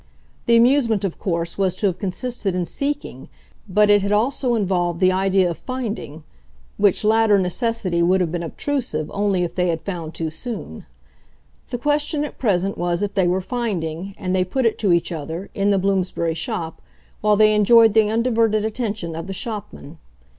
The amusement, of course, was to have consisted in seeking, but it had also involved the idea of finding; which latter necessity would have been obtrusive only if they had found too soon. The question at present was if they were finding, and they put it to each other, in the Bloomsbury shop, while they enjoyed the undiverted attention of the shopman.